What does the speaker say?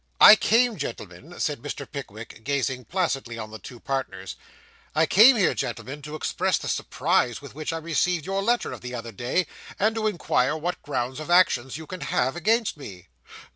'I came, gentlemen,' said Mr. Pickwick, gazing placidly on the two partners, 'I came here, gentlemen, to express the surprise with which I received your letter of the other day, and to inquire what grounds of action you can have against me.